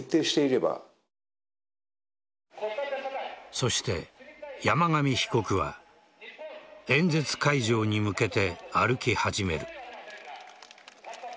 そして、山上被告は演説会場に向けて歩き始める。